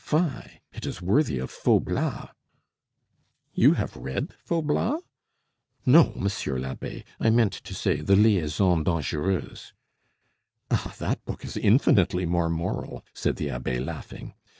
Fie! it is worthy of Faublas!" "You have read Faublas?" "No, monsieur l'abbe; I meant to say the Liaisons dangereuses." "Ah! that book is infinitely more moral," said the abbe, laughing.